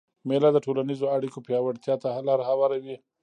مېله د ټولنیزو اړیکو پیاوړتیا ته لاره هواروي.